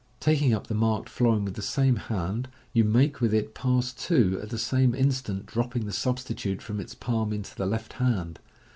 Taking up the marked florin with the same hand, you make with it Pass 2, at the same instant dropping the substitute from its palm into the left hand.